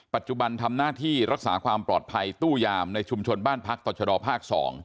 ปัจจุบันทำหน้าที่รักษาความปลอดภัยตู้ยามในชุมชนบ้านพักต่อชะดอภาค๒